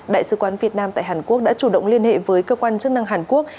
đại sứ quán việt nam tại hàn quốc đã chủ động liên hệ với cơ quan chức năng hàn quốc